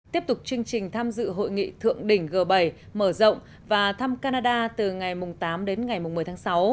tiếp tục chương trình tham dự hội nghị thượng đỉnh g bảy mở rộng và thăm canada từ ngày tám đến ngày một mươi tháng sáu